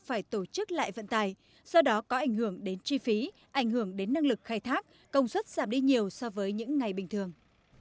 phải tổ chức lại vận tài do đó có ảnh hưởng đến chi phí ảnh hưởng đến năng lực khai thác công suất giảm đi nhiều so với những ngày bình thường